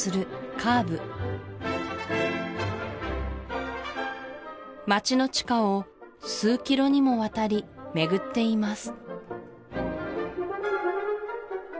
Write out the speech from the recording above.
カーヴ街の地下を数キロにもわたり巡っています